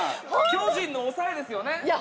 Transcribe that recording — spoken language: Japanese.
巨人の抑えですよね？